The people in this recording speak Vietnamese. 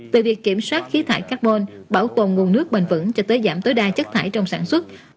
về việc kiểm soát khí thải carbon bảo tồn nguồn nước bền vững cho tới giảm tối đa chất thải trong sản xuất